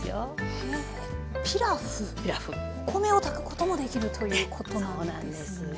お米を炊くこともできるということなんですね。